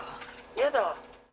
やだ。